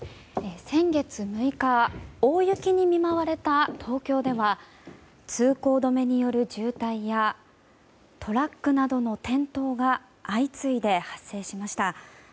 先月６日大雪に見舞われた東京では通行止めによる渋滞やトラックなどの転倒が相次いで発生しました。